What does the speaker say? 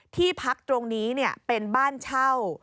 ที่พักตรงนี้เป็นบ้านเช่า